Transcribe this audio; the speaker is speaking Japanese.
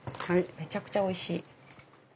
めちゃくちゃおいしい。